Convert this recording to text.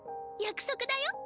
約束だよ。